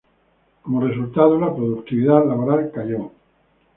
Como resultado, la productividad laboral cayó.